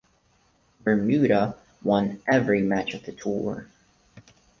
Bermuda won every match of the tour.